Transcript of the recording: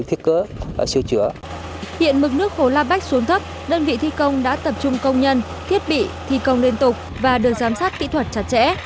hiện mực nước hồ la bách xuống thấp đơn vị thi công đã tập trung công nhân thiết bị thi công liên tục và được giám sát kỹ thuật chặt chẽ